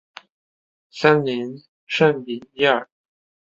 森林圣皮耶尔。